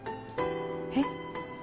えっ？